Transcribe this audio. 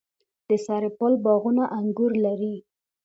د سرپل باغونه انګور لري.